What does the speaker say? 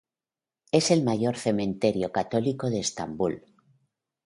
Es el mayor cementerio católico de Estambul.